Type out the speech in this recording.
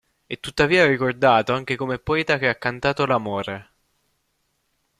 È tuttavia ricordato anche come poeta che ha cantato l'amore.